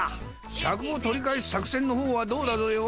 シャクを取り返す作戦の方はどうだぞよ？